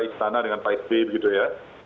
istana dengan pak sby begitu ya